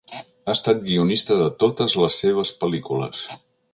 Ha estat guionista de totes les seves pel·lícules.